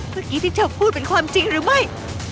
เมื่อกี้ที่เธอพูดเป็นความจริงหรือไม่